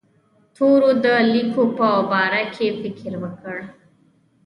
تورو د لیکلو په باره کې فکر وکړ.